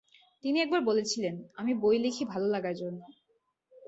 তিনি একবার বলেছিলেন, আমি বই লিখি ভালো লাগার জন্য।